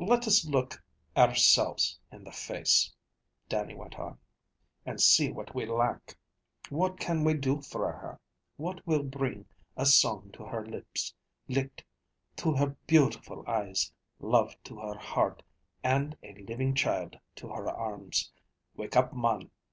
"Let us look ourselves in the face," Dannie went on, "and see what we lack. What can we do fra her? What will bring a song to her lips, licht to her beautiful eyes, love to her heart, and a living child to her arms? Wake up, mon!